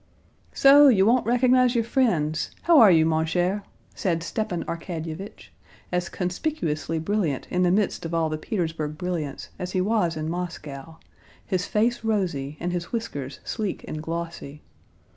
"So you won't recognize your friends! How are you, mon cher?" said Stepan Arkadyevitch, as conspicuously brilliant in the midst of all the Petersburg brilliance as he was in Moscow, his face rosy, and his whiskers sleek and glossy.